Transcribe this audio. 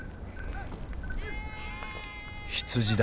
羊だ。